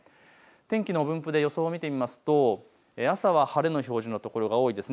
天気の分布で予想を見てみますと朝は晴れの表示の所が多いです。